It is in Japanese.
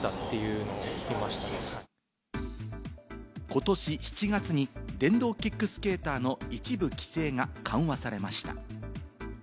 ことし７月に電動キックスケーターの一部規制が緩和されました。